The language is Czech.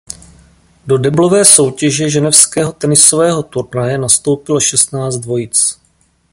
Do deblové soutěže ženevského tenisového turnaje nastoupilo šestnáct dvojic.